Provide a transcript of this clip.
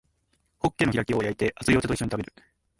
ホッケの開きを焼いて熱いお茶と一緒に食べる